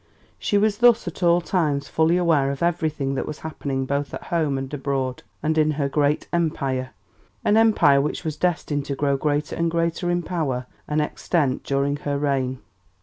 She was thus at all times fully aware of everything that was happening both at home and abroad, and in her great Empire, an Empire which was destined to grow greater and greater in power and extent during her reign.